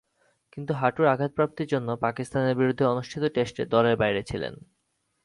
কিন্তু হাঁটুর আঘাতপ্রাপ্তির জন্য পাকিস্তানের বিরুদ্ধে অনুষ্ঠিত টেস্টে দলের বাইরে ছিলেন।